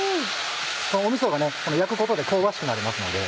みそが焼くことで香ばしくなりますので。